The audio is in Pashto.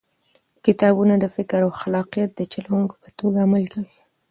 کتابونه د فکر او خلاقیت د چلوونکي په توګه عمل کوي.